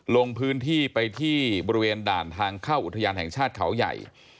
ลงพื้นที่ไปที่บริเวณด่านทางเข้าอุทยานแห่งชาติเขาใหญ่